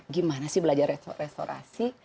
gimana sih belajar restorasi